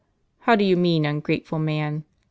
" How do you mean, ungrateful man ?